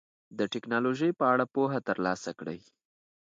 د ټکنالوژۍ په اړه پوهه ترلاسه کړئ.